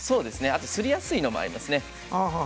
あと、すりやすいのがありますね。